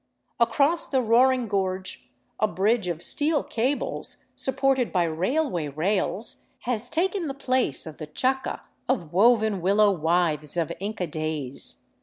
Across the roaring gorge a bridge of steel cables, supported by railway rails, has taken the place of the chaca of woven willow withes of Inca days.